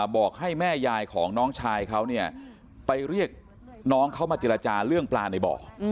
บอกให้แม่ยายของน้องชายเขาเนี่ยไปเรียกน้องเขามาเจรจาเรื่องปลาในบ่อ